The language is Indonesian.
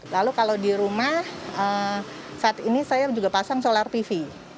lalu kalau di rumah saat ini saya juga pasang solar tv